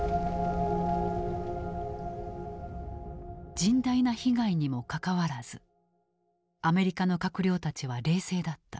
甚大な被害にもかかわらずアメリカの閣僚たちは冷静だった。